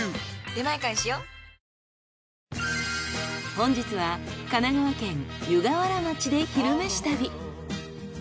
本日は神奈川県湯河原町で「昼めし旅」。